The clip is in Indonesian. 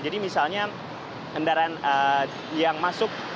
jadi misalnya kendaraan yang masuk